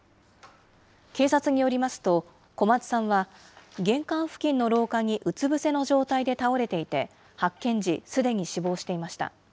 警察によりますと、小松さんは、玄関付近の廊下にうつ伏せの状態で倒れていて、発見時、すでに死亡していました。